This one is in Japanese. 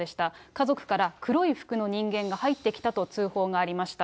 家族から黒い服の人間が入ってきたと通報がありました。